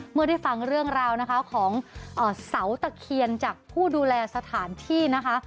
เมื่อได้ฟังเรื่องราวนะคะของเสาตะเคียนจากผู้ดูแลสถานที่นะคะ